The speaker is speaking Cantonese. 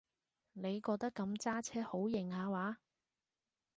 你覺得噉揸車好型下話？